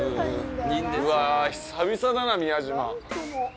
うわ、久々だな、宮島。